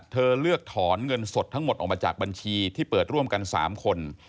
เลือกถอนเงินสดทั้งหมดออกมาจากบัญชีที่เปิดร่วมกัน๓คน